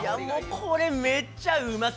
これめっちゃうま